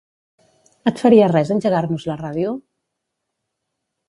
Et faria res engegar-nos la ràdio?